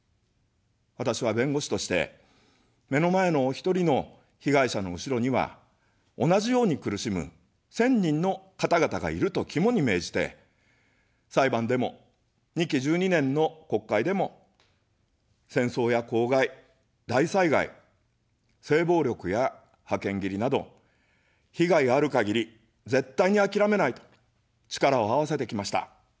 私は弁護士として、目の前のお一人の被害者の後ろには、同じように苦しむ１０００人の方々がいると肝に銘じて、裁判でも、２期１２年の国会でも、戦争や公害、大災害、性暴力や派遣切りなど、被害がある限り、絶対にあきらめないと、力をあわせてきました。